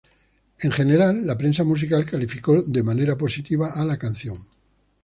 En general, la prensa musical calificó de manera positiva a la canción.